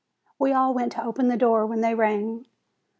We all went to open the door when they rang.